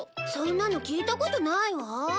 そんなの聞いたことないわ。